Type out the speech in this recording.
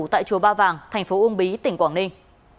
tại chùa ba vàng thành phố uông bí tỉnh quảng ninh